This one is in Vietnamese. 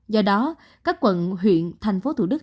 do đó các quận huyện thành phố thủ đức